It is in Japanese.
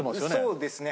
そうですね。